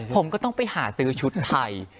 ผมก็ต้องไปหาซื้อชุดไทย